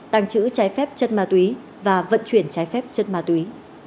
tăng chữ trái phép chất ma túy và vận chuyển trái phép chất ma túy